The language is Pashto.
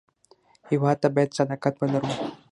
هېواد ته باید صداقت ولرو